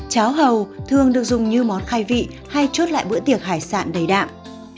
cháo hầu thường được dùng như món khai vị hay chốt lại bữa tiệc hải sản đầy đạm